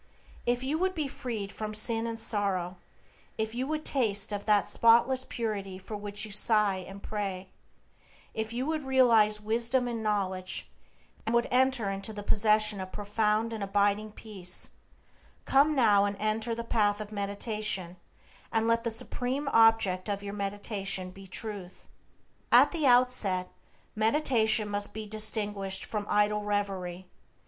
If you would be freed from sin and sorrow; if you would taste of that spotless purity for which you sigh and pray; if you would realize wisdom and knowledge, and would enter into the possession of profound and abiding peace, come now and enter the path of meditation, and let the supreme object of your meditation be Truth. At the outset, meditation must be distinguished from idle reverie.